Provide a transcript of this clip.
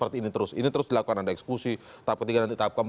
terima kasih pak